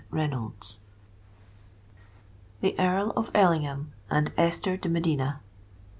CHAPTER C. THE EARL OF ELLINGHAM AND ESTHER DE MEDINA.